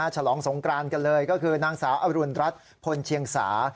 ฉลองสงกรานกันเลยก็คือนางสาวอรุณรัฐพลเชียงสา